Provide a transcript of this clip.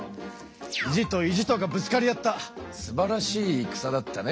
意地と意地とがぶつかり合ったすばらしいいくさだったね！